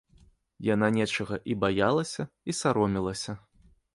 Яна нечага і баялася, і саромілася.